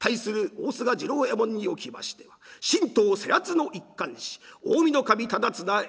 大須賀次郎右衛門におきましては新刀背厚の一竿子近江守忠綱選びの豪刀。